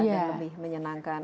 dan lebih menyenangkan